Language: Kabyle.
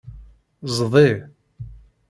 Zdi.